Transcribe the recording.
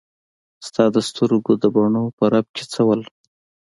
ستا د سترګو د بڼو په رپ کې څه وو.